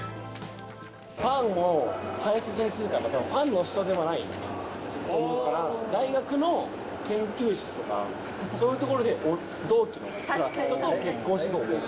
ファンを大切にするから、だからファンの人ではないと思うから、大学の研究室とか、そういうところで、同期の人と結婚したと思う。